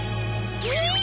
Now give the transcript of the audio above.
えっ！